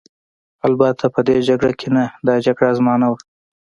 البته په دې جګړه کې نه، دا جګړه زما نه وه.